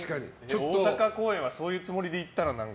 大阪公演はそういうつもりで行ったの？